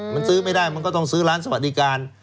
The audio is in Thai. มันซื้อไม่ได้มันก็ต้องซื้อร้านสวัสดิการ